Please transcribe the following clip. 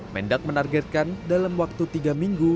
mendak menargetkan dalam waktu tiga minggu